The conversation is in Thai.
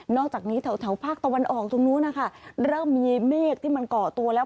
อกจากนี้แถวภาคตะวันออกตรงนู้นนะคะเริ่มมีเมฆที่มันก่อตัวแล้ว